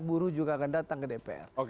buruh juga akan datang ke dpr